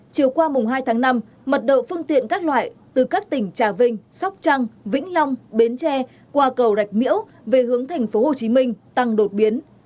chiều qua mùng hai tháng năm mật độ phương tiện các loại từ các tỉnh trà vinh sóc trăng vĩnh long bến tre qua cầu rạch miễu về hướng thành phố hồ chí minh tăng đột biến